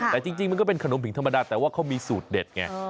แต่จริงมันก็เป็นขนมผิงธรรมดาแต่ว่าเขามีสูตรเด็ดไง